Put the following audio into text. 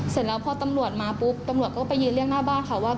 เสร็จแล้วพอตำรวจมาปุ๊บตำรวจก็ไปยืนเรียกหน้าบ้านเขาว่า